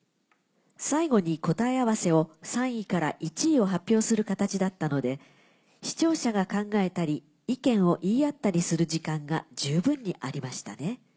最後に答え合わせを３位から１位を発表する形だったので視聴者が考えたり意見を言い合ったりする時間が十分にありましたね。